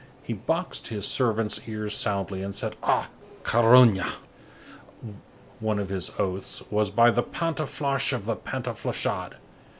He boxed his servants' ears soundly, and said: "Ah! carogne!" One of his oaths was: "By the pantoufloche of the pantouflochade!"